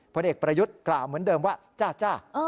ผลเอกประยุทธ์กล่าวเหมือนเดิมว่าจ้าจ้า